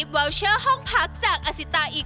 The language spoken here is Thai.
ก็จะเชิญชวนน้ำชมทางบ้านที่